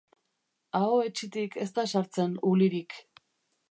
Aho hetsitik ezta sartzen ulirik.